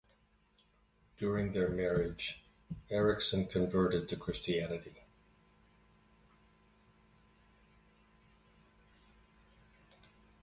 During their marriage Erikson converted to Christianity.